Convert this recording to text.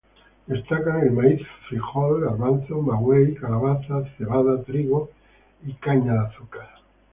Destacan el maíz, frijol, garbanzo, maguey, calabaza, cebada, trigo y caña de azúcar.